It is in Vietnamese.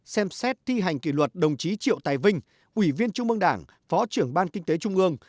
ba xem xét thi hành kỷ luật đồng chí triệu tài vinh ủy viên trung mương đảng phó trưởng ban kinh tế trung ương